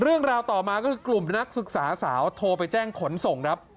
เรื่องราวต่อมาก็คือกลุ่มนักศึกษาสาวโทรไปแจ้งขนส่งครับ